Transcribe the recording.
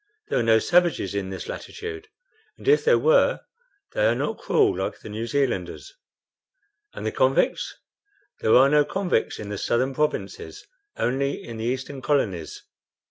"There are no savages in this latitude, and if there were, they are not cruel, like the New Zealanders." "And the convicts?" "There are no convicts in the southern provinces, only in the eastern colonies.